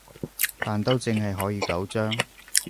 但都淨係可以九張